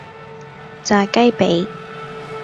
炸雞脾